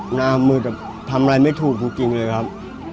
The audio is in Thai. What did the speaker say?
หน้ามือแต่ทำอะไรไม่ถูกจริงเลยครับ